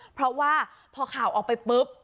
เพราะว่าพอข่าวออกไปปุ๊บ